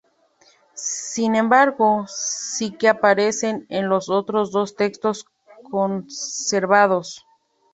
Sin embargo, sí que aparecen en los otros dos textos conservados.